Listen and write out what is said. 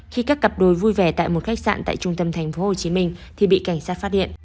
khi các cặp đôi vui vẻ tại một khách sạn tại trung tâm tp hcm thì bị cảnh sát phát hiện